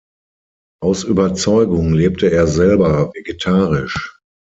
Aus Überzeugung lebte er selber vegetarisch.